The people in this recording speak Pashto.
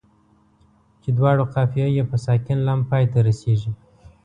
چې دواړو قافیه یې په ساکن لام پای ته رسيږي.